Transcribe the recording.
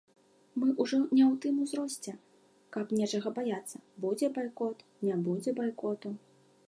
Мы ўжо не ў тым узросце, каб нечага баяцца, будзе байкот, не будзе байкоту.